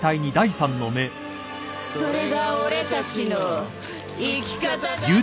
それが俺たちの生き方だからなぁ！